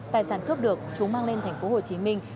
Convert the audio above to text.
tài sản cướp được chúng mang lên thành phố hồ chí minh